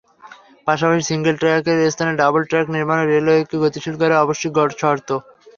পাশাপাশি সিঙ্গেল ট্র্যাকের স্থলে ডাবল ট্র্যাক নির্মাণও রেলওয়েকে গতিশীল করার আবশ্যিক শর্ত।